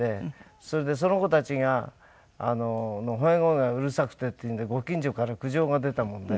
それでその子たちのほえ声がうるさくてっていうんでご近所から苦情が出たもんで。